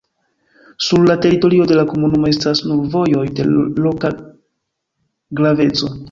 Sur la teritorio de la komunumo estas nur vojoj de loka graveco.